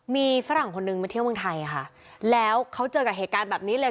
มีฝรั่งคนนึงมาเที่ยวเมืองไทยค่ะแล้วเขาเจอกับเหตุการณ์แบบนี้เลย